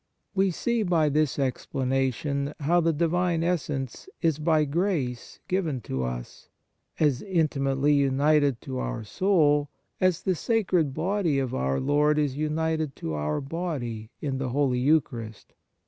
1 We see by this explanation how the Divine Essence is by grace given to us, as intimately united to our soul as the sacred Body of Our Lord is united to our body in the Holy Eucharist.